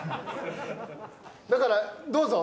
だからどうぞ。